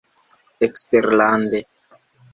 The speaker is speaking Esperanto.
Eksterlande.